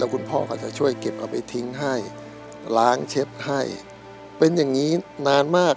คุณพ่อก็จะช่วยเก็บเอาไปทิ้งให้ล้างเช็ดให้เป็นอย่างนี้นานมาก